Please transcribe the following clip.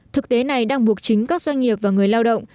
thực tế này đang buộc chính các doanh nghiệp và người lao động